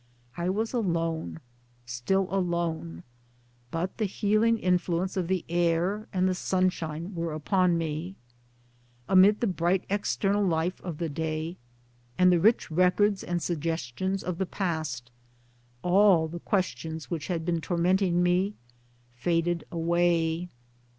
I was alone, still alone ; but the healing influences of the air and the sunshine were upon me. Amid the bright external life of the day, and the rich records and suggestions of the past, all the questions which had been tormenting me faded away.